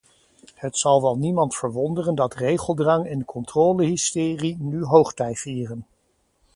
Het zal wel niemand verwonderen dat regeldrang en controlehysterie nu hoogtij vieren.